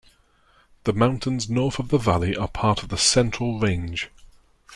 The mountains north of the valley are part of the Central Range.